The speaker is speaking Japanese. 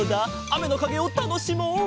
あめのかげをたのしもう。